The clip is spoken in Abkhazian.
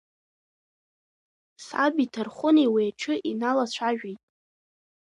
Саби Ҭархәынеи уи аҽы иналацәажәеит.